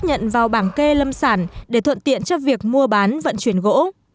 trần tiến dũng đã xác nhận vào bảng kê lâm sản để thuận tiện cho việc mua bán vận chuyển gỗ